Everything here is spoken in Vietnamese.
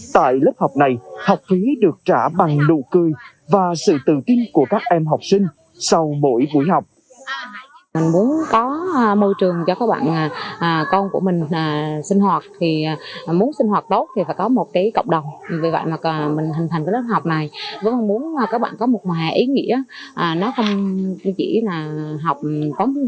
tại lớp học này học phí được trả bằng nụ cười và sự tự tin của các em học sinh sau mỗi buổi học